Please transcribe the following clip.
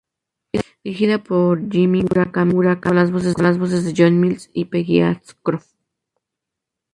Dirigida por Jimmy Murakami, con las voces de John Mills y Peggy Ashcroft.